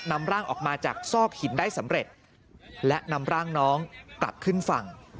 นำร่างออกมาจากซอกหินได้สำเร็จและนำร่างน้องกลับขึ้นฝั่ง